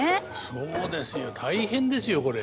そうですよ大変ですよこれ。